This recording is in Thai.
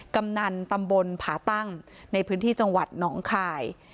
กำนันตำบลผาตั้งในพื้นที่จังหวัดหนองคาย